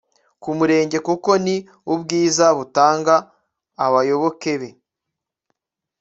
Kumurenga kuko ni Ubwiza butanga abayoboke be